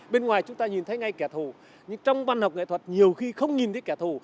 bên ngoài chúng ta nhìn thấy ngay kẻ thù nhưng trong văn học nghệ thuật nhiều khi không nhìn thấy kẻ thù